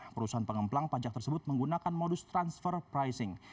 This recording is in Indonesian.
perusahaan pengemplang pajak tersebut menggunakan modus transfer pricing